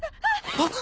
あっ。